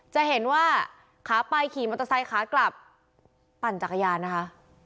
จะเห็นว่าขาไปขี่มอเตอร์ไซค์ขากลับปั่นจักรยานนะคะ